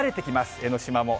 江の島も。